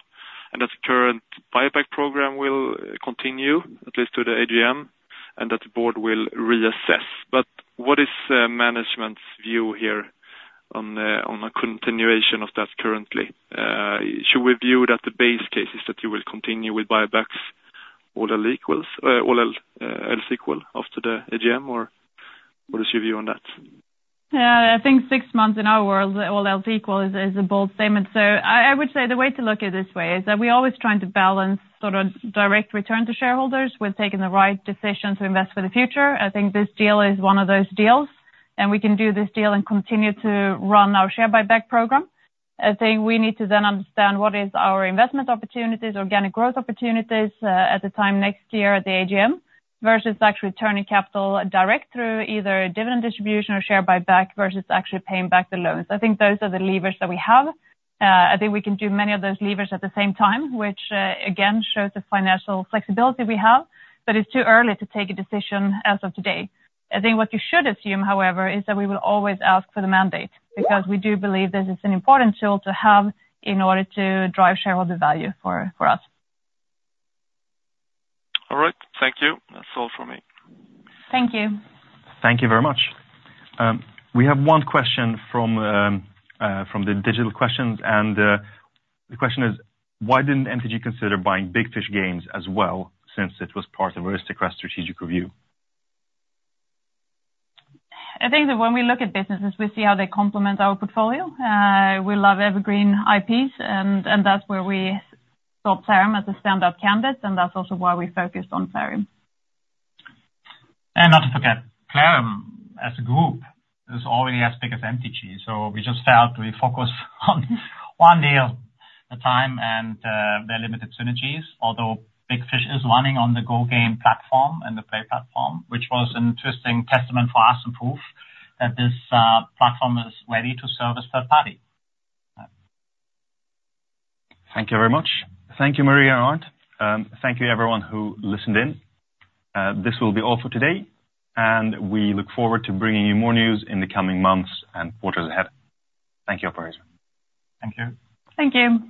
that the current buyback program will continue, at least to the AGM, and that the board will reassess. But what is management's view here on the continuation of that currently? Should we view that the base case is that you will continue with buybacks or all SQL after the AGM, or what is your view on that? Yeah. I think six months in our world, all SQL is a bold statement, so I would say the way to look at it this way is that we're always trying to balance sort of direct return to shareholders with taking the right decision to invest for the future. I think this deal is one of those deals, and we can do this deal and continue to run our share buyback program. I think we need to then understand what is our investment opportunities, organic growth opportunities at the time next year at the AGM versus actually turning capital direct through either dividend distribution or share buyback versus actually paying back the loans. I think those are the levers that we have. I think we can do many of those levers at the same time, which again shows the financial flexibility we have, but it's too early to take a decision as of today. I think what you should assume, however, is that we will always ask for the mandate because we do believe this is an important tool to have in order to drive shareholder value for us. All right. Thank you. That's all from me. Thank you. Thank you very much. We have one question from the digital questions. And the question is, why didn't MTG consider buying Big Fish Games as well since it was part of Aristocrat's strategic review? I think that when we look at businesses, we see how they complement our portfolio. We love evergreen IPs, and that's where we saw Plarium as a standout candidate. And that's also why we focused on Plarium. And not to forget, Plarium as a group is already as big as MTG. So we just felt we focus on one deal at a time and their limited synergies, although Big Fish is running on the GoGame platform and the Plarium Play platform, which was an interesting testament for us and proof that this platform is ready to service third party. Thank you very much. Thank you, Maria and Arnd. Thank you, everyone who listened in. This will be all for today. And we look forward to bringing you more news in the coming months and quarters ahead. Thank you, Operator. Thank you. Thank you.